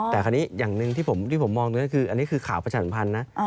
แต่คราวนี้อย่างหนึ่งที่ผมมองก็คืออันนี้คือข่าวประชาสัมพันธ์นะ